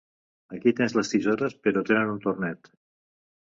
Aquí tens les tisores, però tenen un tornet.